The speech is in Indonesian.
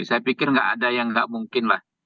saya pikir nggak ada yang nggak mungkin lah